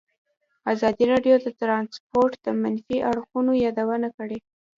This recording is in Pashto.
ازادي راډیو د ترانسپورټ د منفي اړخونو یادونه کړې.